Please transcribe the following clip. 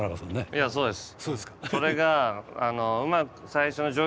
いやそうです。